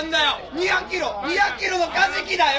２００キロ２００キロのカジキだよ。